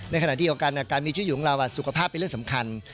ในขณะเดียวกันการมีชีวิตอยู่ของเราสุขภาพเป็นเรื่องสำคัญ